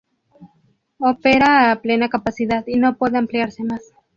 Opera a plena capacidad, y no puede ampliarse más.